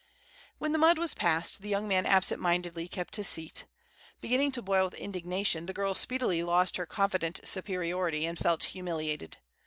When the mud was passed, the young man absent mindedly, kept his seat. Beginning to boil with indignation, the girl speedily lost her confident superiority, and felt humiliated.